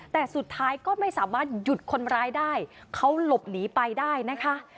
แต่สุดท้ายก็ไม่สามารถหยุดคนร้ายได้เขาหลบหนีไปได้นะคะ